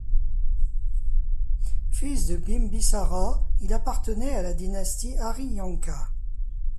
Fils de Bimbisara, il appartenait à la dynastie Hariyanka.